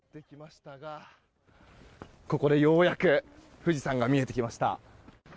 ここでようやく富士山が見えてきました。